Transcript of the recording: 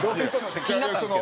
気になったんですけど。